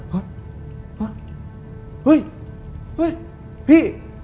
เห้ยเห้ยเห้ยพี่